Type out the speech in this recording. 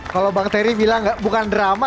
kalau bang terry bilang bukan drama